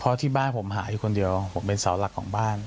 เพราะที่บ้านผมหาอยู่คนเดียวผมเป็นเสาหลักของบ้าน